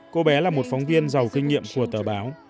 cô bé là một phóng viên giàu kinh nghiệm của tờ báo